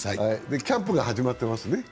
キャンプが始まっていますね。